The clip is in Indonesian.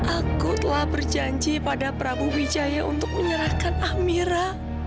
aku telah berjanji pada prabu wijaya untuk menyerahkan ahmira